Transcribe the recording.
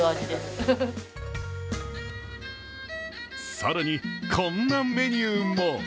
更に、こんなメニューも。